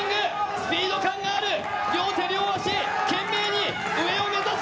スピード感がある、両手両足、懸命に上を目指す。